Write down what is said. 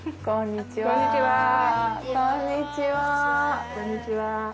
こんにちは。